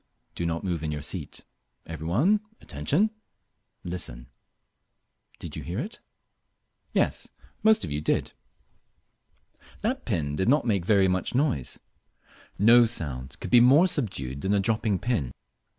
Do not move in your seat. Every one, attention! Listen. Did you hear it? Yes, most of you did. That pin did not make much noise. No sound could be more subdued than a dropping pin.